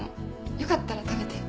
よかったら食べて。